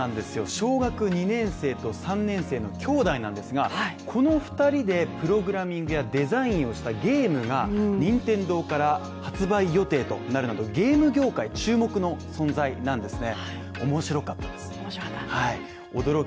小学２年生と３年生の兄弟なんですが、はい、この２人でプログラミングやデザインをしたゲームが任天堂から発売予定となるなどゲーム業界注目の存在なんですね。